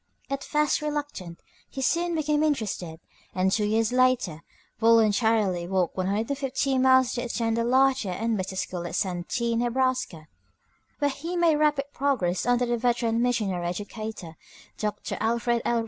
At first reluctant, he soon became interested, and two years later voluntarily walked 150 miles to attend a larger and better school at Santee, Neb., where he made rapid progress under the veteran missionary educator, Dr. Alfred L.